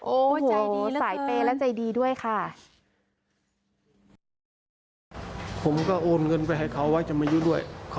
โอ้โหสายเปรย์และใจดีด้วยค่ะ